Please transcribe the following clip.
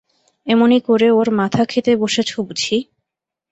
এমনি করে ওর মাথা খেতে বসেছ বুঝি?